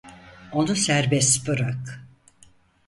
Onu serbest bırak.